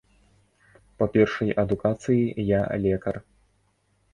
Па першай адукацыі я лекар.